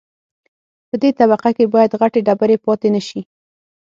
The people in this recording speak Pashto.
په دې طبقه کې باید غټې ډبرې پاتې نشي